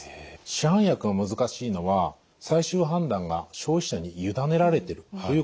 市販薬が難しいのは最終判断が消費者に委ねられてるということです。